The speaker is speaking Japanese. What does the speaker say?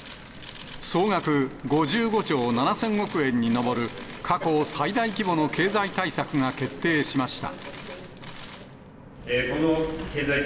総額５５兆７０００億円に上る、過去最大規模の経済対策が決定しました。